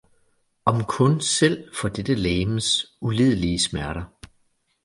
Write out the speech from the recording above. Om kun selv for dette legems ulidelige smerter